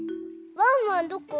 ワンワンどこ？